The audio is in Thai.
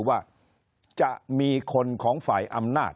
คนในวงการสื่อ๓๐องค์กร